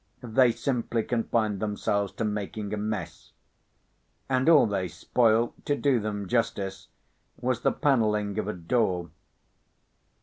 They simply confined themselves to making a mess; and all they spoilt, to do them justice, was the panelling of a door.